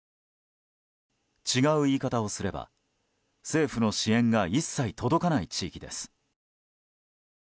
違う言い方をすれば政府の支援が一切届かない地域です。